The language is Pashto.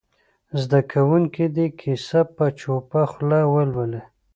زده کوونکي دې کیسه په چوپه خوله ولولي.